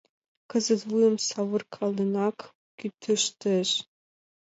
Кызыт вуйым савыркаленак кӱтыштеш.